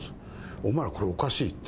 お前ら、これ、おかしいって。